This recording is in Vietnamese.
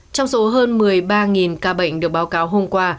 trong số hơn một mươi ba ca bệnh được báo cáo hôm qua